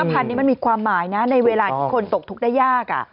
พันธุ์นี้มันมีความหมายนะในเวลาที่คนตกทุกข์ได้ยาก